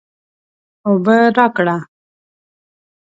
اوبه راکړه